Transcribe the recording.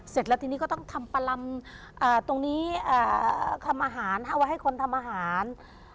เสร็จแล้วทีนี้ก็ต้องทำประลำตรงนี้ทำอาหารเอาไว้ให้คนทำอาหาร